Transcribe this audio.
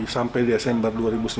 sampai desember dua ribu sembilan belas